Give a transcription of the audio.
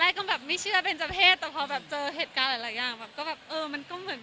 ใช่ค่ะตอนแรกก็ไม่ได้คิดว่าเป็นจะเพศแต่พอเจอเหตุการณ์หลายอย่างมันก็เหมือนกันน่ากลัวเหมือนกัน